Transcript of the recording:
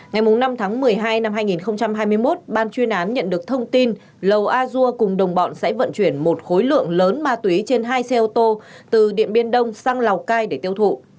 ngày năm tháng một mươi hai năm hai nghìn hai mươi một ban chuyên án nhận được thông tin lầu a dua cùng đồng bọn sẽ vận chuyển một khối lượng lớn ma túy trên hai xe ô tô từ điện biên đông sang lào cai để tiêu thụ